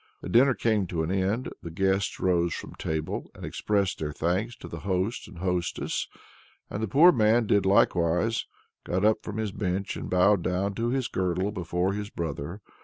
The dinner came to an end; the guests rose from table, and expressed their thanks to their host and hostess; and the poor man did likewise, got up from his bench, and bowed down to his girdle before his brother.